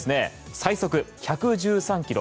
最速１１３ｋｍ。